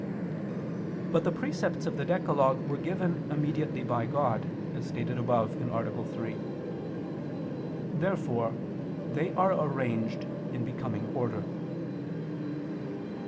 But the precepts of the decalogue were given immediately by God, as stated above (A. 3). Therefore they are arranged in becoming order.